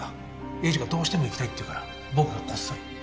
栄治がどうしても行きたいって言うから僕がこっそり。